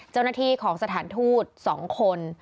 เจ้าหน้าที่ของสถานทูต๒คน